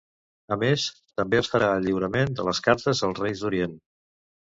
A més, també es farà el lliurament de les cartes als Reis d'Orient.